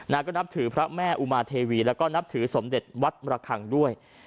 ก็นับถือพระแม่อุมาเทวีแล้วก็นับถือสมเด็จวัดมระคังด้วย